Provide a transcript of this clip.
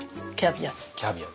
キャビア。